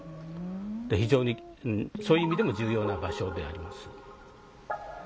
非常にそういう意味でも重要な場所であります。